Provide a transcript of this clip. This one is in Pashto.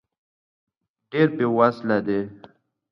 ډېر بې وزله دی .